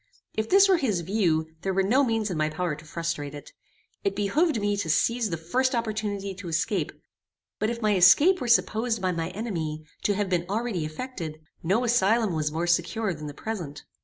If this were his view there were no means in my power to frustrate it. It behoved me to seize the first opportunity to escape; but if my escape were supposed by my enemy to have been already effected, no asylum was more secure than the present.